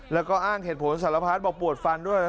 แล้วก็อ้างเหตุผลสารพัดบอกปวดฟันด้วย